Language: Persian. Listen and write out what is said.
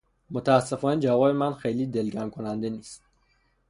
متاسفانه جواب من خیلی دلگرم کننده نیست.